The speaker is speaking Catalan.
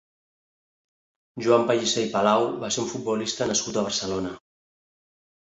Joan Pellicer i Palau va ser un futbolista nascut a Barcelona.